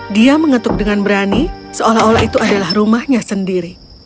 dia mengetuk dengan berani seolah olah itu adalah rumahnya sendiri